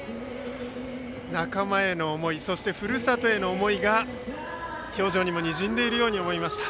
仲間への思いそしてふるさとへの思いが表情にもにじんでいるように思いました。